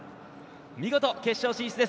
見事、決勝進出です。